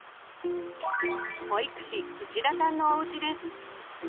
保育士内田さんのおうちです。